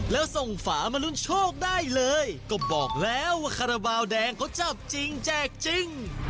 แล้วส่งฝามาลุ้นโชคได้เลยก็บอกแล้วว่าคาราบาลแดงเขาจับจริงแจกจริง